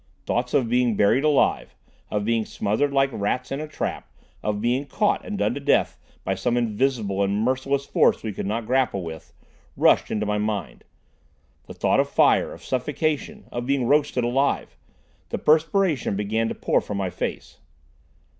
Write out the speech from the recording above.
Thoughts of being buried alive, of being smothered like rats in a trap, of being caught and done to death by some invisible and merciless force we could not grapple with, rushed into my mind. Then I thought of fire—of suffocation—of being roasted alive. The perspiration began to pour from my face.